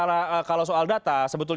sebetulnya ppkm juga ini kan masih berjalan